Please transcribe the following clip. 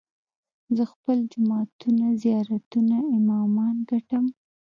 زه خپل جوماتونه، زيارتونه، امامان ګټم